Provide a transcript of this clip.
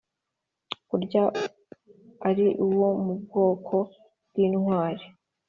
kurya ari uwo mu bwoko bw' intwari;